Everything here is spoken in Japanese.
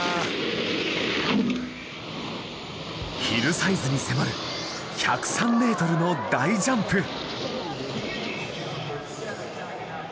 ヒルサイズに迫る１０３ｍの大ジャンプ。